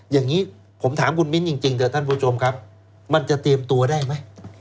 อย่างนี้ผมถามคุณมิ้นจริงเถอะท่านผู้ชมครับมันจะเตรียมตัวได้ไหม